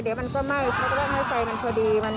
เดี๋ยวมันก็ไม่เขาก็ไม่ให้ไฟมันดี